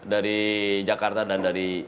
dari jakarta dan dari